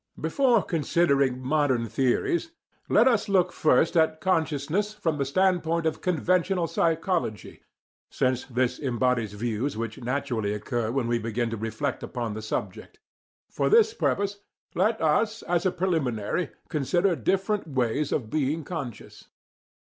Before considering modern theories, let us look first at consciousness from the standpoint of conventional psychology, since this embodies views which naturally occur when we begin to reflect upon the subject. For this purpose, let us as a preliminary consider different ways of being conscious.